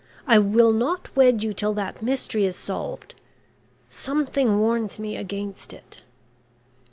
I will not wed you till that mystery is solved. Something warns me against it."